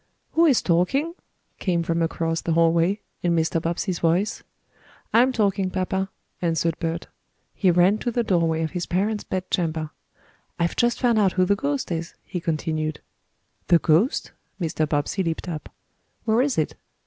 "Who is talking?" came from across the hallway, in Mr. Bobbsey's voice. "I'm talking, papa," answered Bert. He ran to the doorway of his parents' bedchamber. "I've just found out who the ghost is," he continued. "The ghost?" Mr. Bobbsey leaped up. "Where is it?"